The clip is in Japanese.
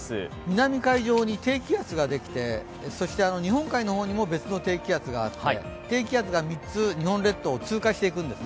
南海上に低気圧ができて、そして日本海の方にも別の低気圧があって、低気圧が３つ日本列島を通過していくんです。